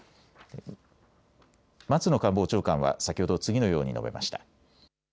松野官房長官は先ほど次のように述べました。